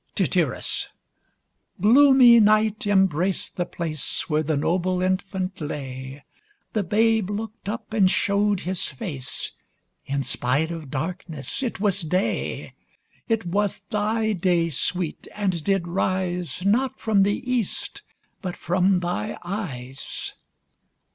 Tityrus. Gloomy night embrac'd the place Where the noble infant lay: The babe looked up, and show'd his face, In spite of darkness it was day. It was thy day, Sweet, and did rise, Not from the east, but from thy eyes.